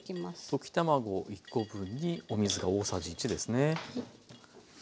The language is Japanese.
溶き卵１コ分にお水が大さじ１ですね。